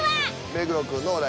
目黒くんのお題